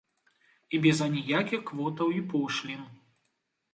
І без аніякіх квотаў і пошлін!